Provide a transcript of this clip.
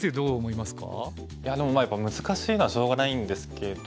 いやでも難しいのはしょうがないんですけど。